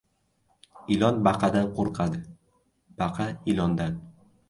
• Ilon baqadan qo‘rqadi, baqa — ilondan.